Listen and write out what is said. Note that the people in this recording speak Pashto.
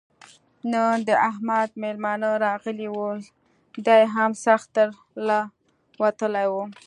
نن د احمد مېلمانه راغلي ول؛ دی هم سخت تر له وتلی وو.